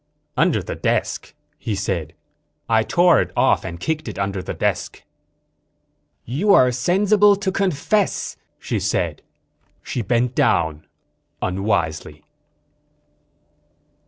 "Under the desk," he said. "I tore it off and kicked it under the desk." "You are sensible to confess," she said. She bent down, unwisely.